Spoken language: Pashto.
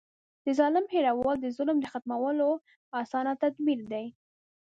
د ظالم هېرول د ظلم د ختمولو اسانه تدبير دی.